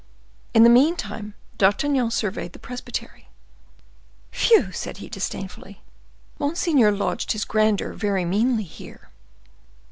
In the meantime, D'Artagnan surveyed the presbytery. "Phew!" said he, disdainfully, "monseigneur lodged his grandeur very meanly here."